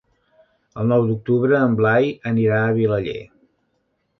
El nou d'octubre en Blai anirà a Vilaller.